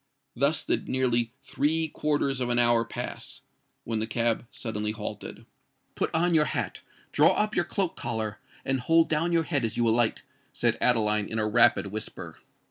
Thus did nearly three quarters of an hour pass, when the cab suddenly halted. "Put on your hat—draw up your cloak collar—and hold down your head as you alight," said Adeline in a rapid whisper.